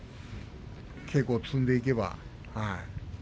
稽古を積んでいけば。